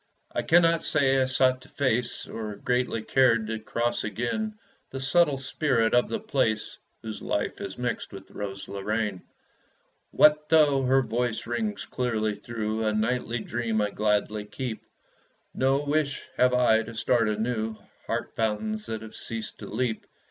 I cannot say I sought to face Or greatly cared to cross again The subtle spirit of the place Whose life is mixed with Rose Lorraine. What though her voice rings clearly through A nightly dream I gladly keep, No wish have I to start anew Heart fountains that have ceased to leap.